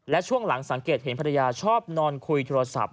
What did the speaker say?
และช่วงหลังสังเกตเห็นภรรยาชอบนอนคุยโทรศัพท์